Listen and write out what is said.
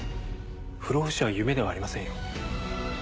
不老不死は夢ではありませんよ。